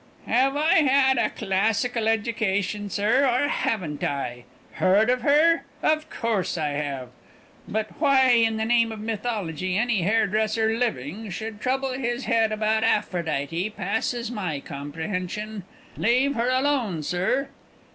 "Have I had a classical education, sir, or haven't I? Heard of her? Of course I have. But why, in the name of Mythology, any hairdresser living should trouble his head about Aphrodite, passes my comprehension. Leave her alone, sir!"